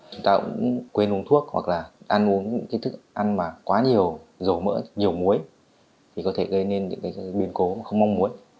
chúng ta cũng quên uống thuốc hoặc là ăn uống những thức ăn mà quá nhiều dổ mỡ nhiều muối thì có thể gây nên những biến cố không mong muốn